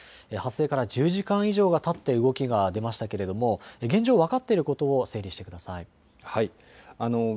発生から１０時間以上がたって動きが出ましたけれども、現状分かっていることを整理してください。